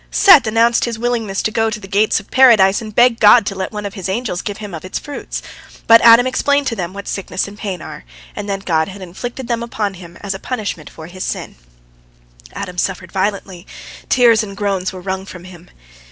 Seth announced his willingness to go to the gates of Paradise and beg God to let one of His angels give him of its fruits. But Adam explained to them what sickness and pain are, and that God had inflicted them upon him as a punishment for his sin. Adam suffered violently; tears and groans were wrung from him.